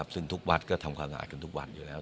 ซึ่งทุกวัดก็ทำความสะอาดกันทุกวันอยู่แล้ว